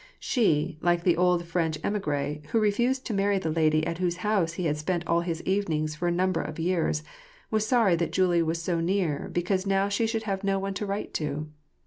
She, like the old French emigre who refused to marry tlie lady at whose house he had spent all his evenings for a numl^er of years, was sorry that Julie was so near because now she should have no one to write to.